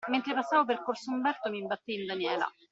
Mentre passavo per Corso Umberto, mi imbattei in Daniela.